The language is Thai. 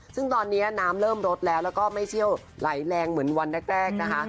ซึ่งตอนนี้น้ำเริ่มลดแล้วแล้วก็ไม่เชี่ยวไหลแรงเหมือนวันแรกนะคะ